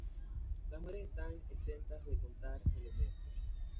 Las mujeres están exentas de contar el Omer.